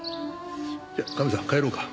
じゃあカメさん帰ろうか。